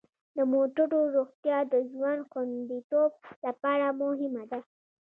د موټرو روغتیا د ژوند خوندیتوب لپاره مهمه ده.